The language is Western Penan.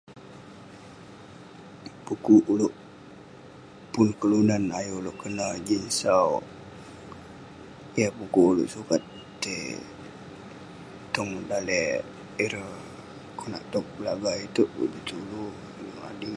Pukuk ulouk pun kelunan ayuk ulouk kenal jin sau, yah pukuk ulouk sukat tai tong daleh ireh. Konak tog Belagah itouk, Bintulu [unintelligible]